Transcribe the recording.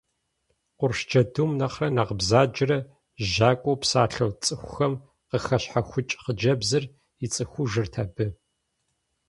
Къурш джэдум нэхърэ нэхъ бзаджэрэ жьакӏуэу псалъэу цӏыхухэм къахэщхьэхукӏ хъыджэбзыр ицӏыхужырт абы.